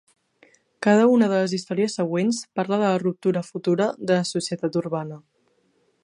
Cada una de les històries següents parla de la ruptura futura de la societat urbana.